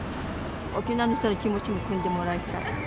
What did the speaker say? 沖縄の人の気持ちもくんでもらいたい。